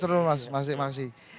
terima kasih mas